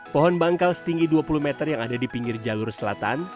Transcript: pohon bangkal setinggi dua puluh meter yang ada di pinggir jalur selatan